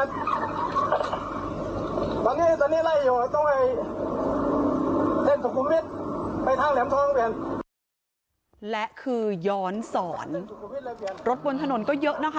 เซ็นสุขุมวิทย์ไปทางแหลมท้องเปลี่ยนและคือย้อนศรรถบนถนนก็เยอะนะคะ